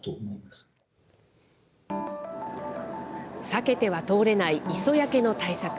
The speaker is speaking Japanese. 避けては通れない磯焼けの対策。